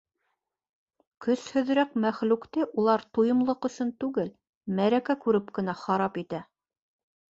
Көсһөҙөрәк мәхлүкте улар туйымлыҡ өсөн түгел, мәрәкә күреп кенә харап итә.